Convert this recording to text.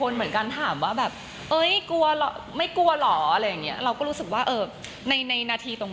เรียกว่าให้ความร่วมมือกับทางทำตรวจ